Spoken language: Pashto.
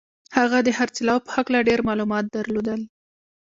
هغه د خرڅلاو په هکله ډېر معلومات درلودل